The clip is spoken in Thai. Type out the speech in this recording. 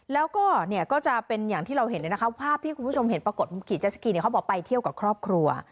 แล้วก็เนี่ยก็จะเป็นอย่างที่เราเห็นเลยนะคะภาพที่คุณผู้ชมเห็นปรากฏขี่เจสสกีเขาบอกไปเที่ยวกับครอบครัว